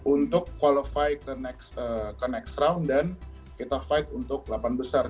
untuk qualify ke next round dan kita fight untuk delapan besar